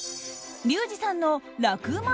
リュウジさんの楽ウマ！